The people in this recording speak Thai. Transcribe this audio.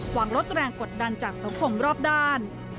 หวังลดแรงกดดันจากสังคมรอบด้าน